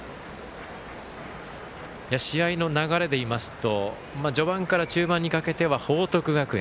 試合の流れでいいますと序盤から中盤にかけては報徳学園。